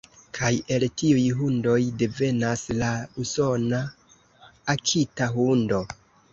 Kaj el tiuj hundoj devenas la usona akita-hundo.